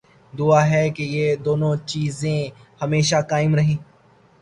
دعا ہے کہ یہ دونوں چیزیں ہمیشہ قائم رہیں۔